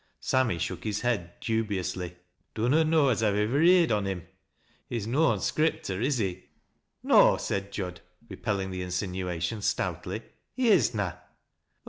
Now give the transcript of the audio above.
Sammy shook his head dubiously. "Dunnot know as I iwer heerd on him. He's noau fwripter, is he ?"" No," said Jud, repelling the insinuation stoutly ;" be is na."